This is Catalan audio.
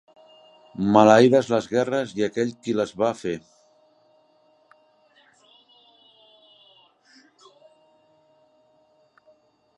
Maleïdes les guerres i aquell qui les va fer.